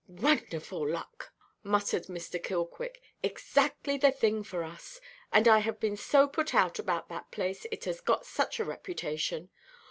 "Wonderful luck," muttered Mr. Killquick; "exactly the very thing for us! And I have been so put out about that place, it has got such a reputation.